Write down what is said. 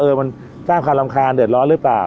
มันสร้างความรำคาญเดือดร้อนหรือเปล่า